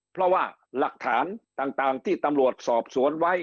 เพราะว่าหลักฐานต่างที่ตำรวจสอบสวนไว้